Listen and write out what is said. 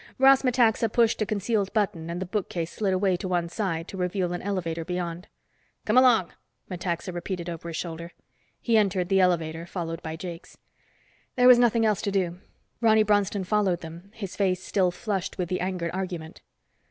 Ross Metaxa pushed a concealed button and the bookcase slid away to one side to reveal an elevator beyond. "Come along," Metaxa repeated over his shoulder. He entered the elevator, followed by Jakes. There was nothing else to do. Ronny Bronston followed them, his face still flushed with the angered argument.